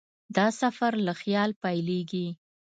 دا سفر له خیال پیلېږي.